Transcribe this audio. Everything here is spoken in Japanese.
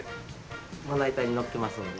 まな板にのっけますので。